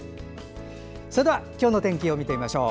では、今日の天気を見てみましょう。